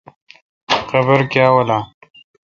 قابر کاں والان۔